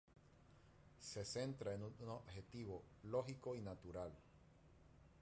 Se centra en un objetivo lógico y natural..